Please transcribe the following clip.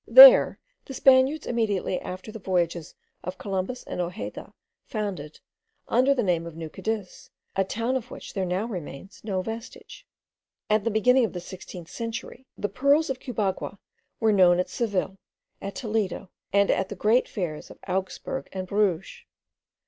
There the Spaniards, immediately after the voyages of Columbus and Ojeda, founded, under the name of New Cadiz, a town, of which there now remains no vestige. At the beginning of the sixteenth century the pearls of Cubagua were known at Seville, at Toledo, and at the great fairs of Augsburg and Bruges.